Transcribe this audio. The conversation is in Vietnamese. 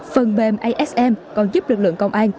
phần bềm asm còn giúp lực lượng công an